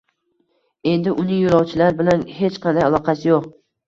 Endi uning yo'lovchilar bilan hech qanday aloqasi yo'q